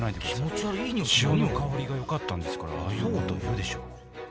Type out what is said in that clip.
潮の香りがよかったんですからああいうこと言うでしょう。